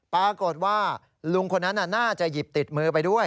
ปรากฏว่าลุงคนนั้นน่าจะหยิบติดมือไปด้วย